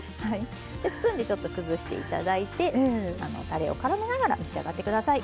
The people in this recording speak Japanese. スプーンでちょっと崩して頂いてたれをからめながら召し上がって下さい。